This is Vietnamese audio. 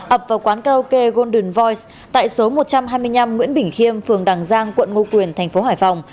ập vào quán karaoke golden voice tại số một trăm hai mươi năm nguyễn bình khiêm phường đằng giang quận ngo quyền thành phố hải phòng